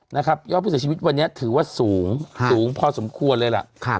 นะครับยอบผู้เสียชีวิตวันนี้ถือว่าสูงค่ะสูงพอสมควรเลยล่ะค่ะ